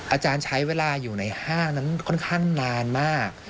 อาจารย์ใช้เวลาอยู่ในห้างนั้นค่อนข้างนานมาก